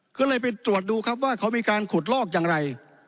ก็เลยไปตรวจดูครับว่าเขามีการขุดลอกอย่างไร